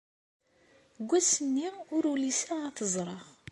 Seg wass-nni ur uliseɣ ad t-ẓreɣ.